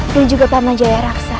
dan juga pak manjaya raksa